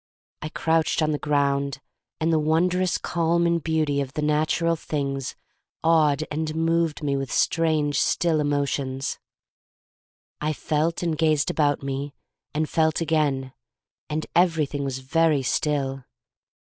I crouched on the ground, and the won drous calm and beauty of the natural things awed and moved me with strange, still emotions. I felt, and gazed about me, and felt again. And everything was very still.